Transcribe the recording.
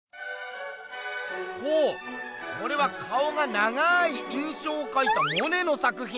ほうこれは顔が長い「印象」をかいたモネの作品。